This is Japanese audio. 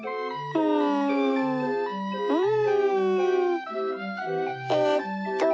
うんうん。